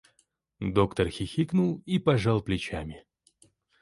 Доктор хихикнул и пожал плечами.